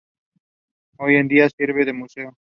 Hoy en día sirve de museo.